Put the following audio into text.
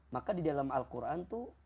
maka di dalam al quran itu